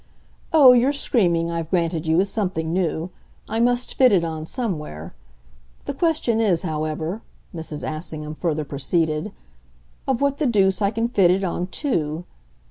"Oh, your screaming, I've granted you, is something new. I must fit it on somewhere. The question is, however," Mrs. Assingham further proceeded, "of what the deuce I can fit it on TO.